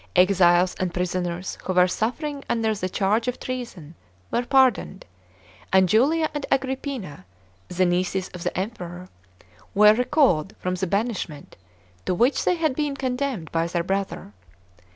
Exiles and prisoners who were suffering under the charge of treason, were pardoned, and Julia and Agrippina, the nieces of the Emperor, were recalled from the banishment to which they had been condemned by their brother.